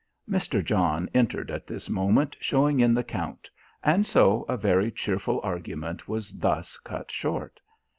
Mr. John entered at this moment showing in the Count, and so a very cheerful argument was thus cut short.